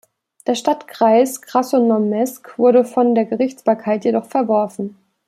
Der "Stadtkreis Krasnosnamensk" wurde von der Gerichtsbarkeit jedoch verworfen.